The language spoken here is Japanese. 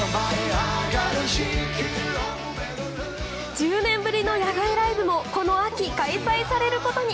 １０年ぶりの野外ライブもこの秋、開催されることに。